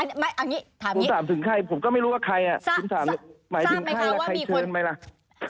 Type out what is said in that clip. อันนี้ถามนี้ผมสามารถถึงใครผมก็ไม่รู้ว่าใครอ่ะสามารถถึงใครแล้วใครเชิญไหมล่ะ